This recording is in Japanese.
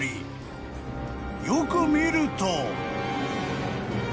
［よく見ると］